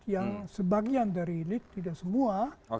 yang sebagian dari lic tidak semua